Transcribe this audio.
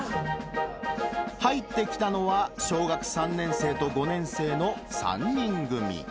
入ってきたのは、小学３年生と５年生の３人組。